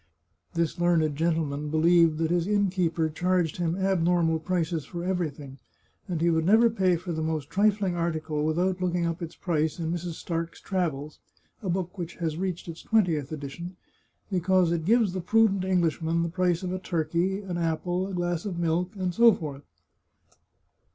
This learned gentleman believed that his innkeeper charged him abnormal prices for everything, and he would never pay for the most trifling article without looking up its price in Mrs. Starke's Travels, a book which has reached its twentieth edition, because it gives the prudent Englishman the price of a turkey, an apple, a glass of milk, and so forth.